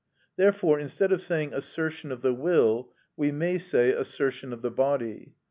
Therefore, instead of saying assertion of the will, we may say assertion of the body.